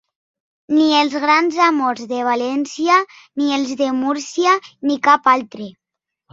Ni els grans amors de València, ni els de Múrcia, ni cap altre.